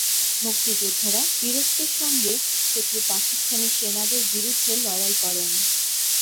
মুক্তিযোদ্ধারা বীরত্বের সঙ্গে শত্রু পাকিস্তানি সেনাদের বিরুদ্ধে লড়াই করেন।